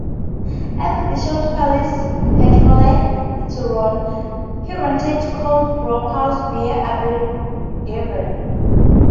As the bishop's palace had fallen to ruin, he rented Coldbrook House bear Abergavenny.